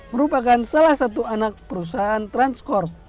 merupakan salah satu anak perusahaan transcorp